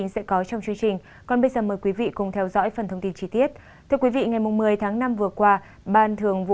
sẽ có khoảng một mươi một một mươi ba cơn báo áp thấp nhiệt đới trên biển đông